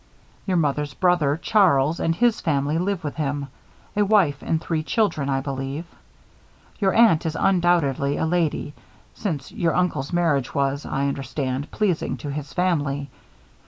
Your mother's brother Charles and his family live with him: a wife and three children, I believe. Your aunt is undoubtedly a lady, since your uncle's marriage was, I understand, pleasing to his family.